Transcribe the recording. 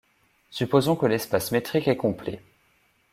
Supposons que l'espace métrique est complet.